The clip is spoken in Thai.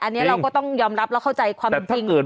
อันนี้เราก็ต้องยอมรับแล้วเข้าใจความจริง